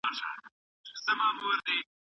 چي ډېر لوی موقف دي نیولی وي